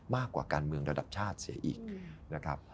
มากกว่าการเมืองระดับชาติเสียอีกนะครับ